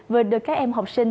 vừa được các em học sinh